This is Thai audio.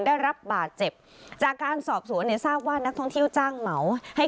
ได้รับบาดเจ็บจากการสอบสวนเนี่ยทราบว่านักท่องเที่ยวจ้างเหมาให้